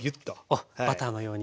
あっバターのように。